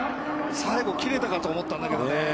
◆最後、切れたかなと思ったんだけどね。